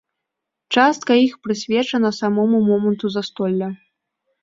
Частка іх прысвечана самому моманту застолля.